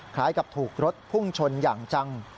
คล้ายกับถูกรถพุ่งชนอย่างจัง